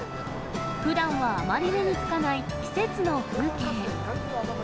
ふだんはあまり目につかない季節の風景。